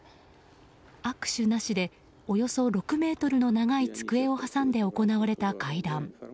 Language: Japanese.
握手なしでおよそ６ｍの長い机を挟んで行われた会談。